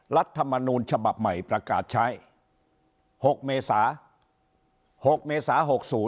รัฐมนูลฉบับใหม่ประกาศใช้๖เมษา๖เมษา๖๐